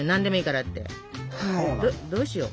どうしよう？